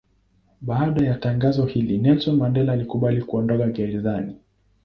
Baada ya tangazo hili Nelson Mandela alikubali kuondoka gerezani.